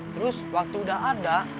terus waktu udah ada